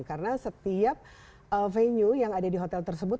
karena setiap venue yang ada di hotel tersebut